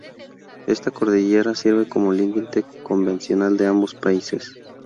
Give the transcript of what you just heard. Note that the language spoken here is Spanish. Esta cordillera sirve como límite convencional de ambos países.